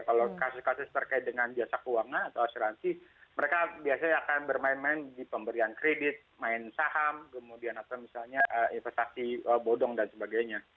kalau kasus kasus terkait dengan jasa keuangan atau asuransi mereka biasanya akan bermain main di pemberian kredit main saham kemudian atau misalnya investasi bodong dan sebagainya